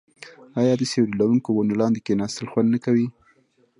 آیا د سیوري لرونکو ونو لاندې کیناستل خوند نه کوي؟